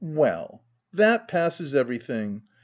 " Well! that passes everything